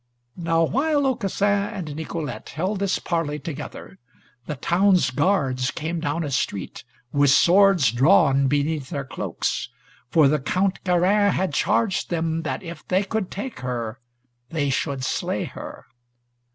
Now while Aucassin and Nicolete held this parley together, the town's guards came down a street, with swords drawn beneath their cloaks, for the Count Garin had charged them that if they could take her they should slay her.